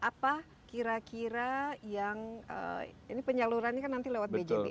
apa kira kira yang ini penyalurannya kan nanti lewat bjb